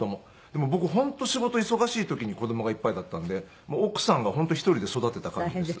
でも僕本当仕事忙しい時に子供がいっぱいだったんで奥さんが本当１人で育てた感じです。